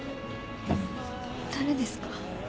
誰ですか？